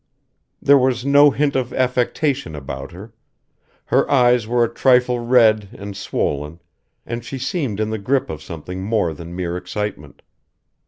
There was no hint of affectation about her. Her eyes were a trifle red and swollen and she seemed in the grip of something more than mere excitement.